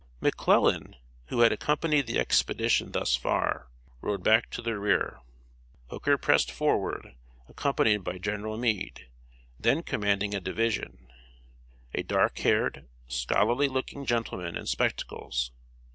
] McClellan, who had accompanied the expedition thus far, rode back to the rear. Hooker pressed forward, accompanied by General Meade, then commanding a division a dark haired, scholarly looking gentleman in spectacles.